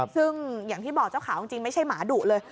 ซึ่งอย่างที่บอกเจ้าขาวจริงไม่ใช่หมาดุเลย